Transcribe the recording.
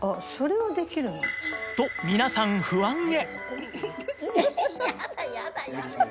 と皆さん不安げ